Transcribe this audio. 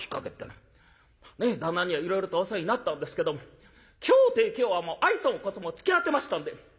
「まあね旦那にはいろいろとお世話になったんですけども今日てえ今日はもう愛想も小想も尽き果てましたんで。